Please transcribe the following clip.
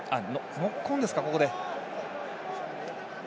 ノックオンですか、ここで。